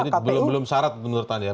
jadi belum syarat menurut anda ya